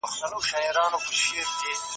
ایا ته پوهېږې چې دا پرېکړه چا وکړه؟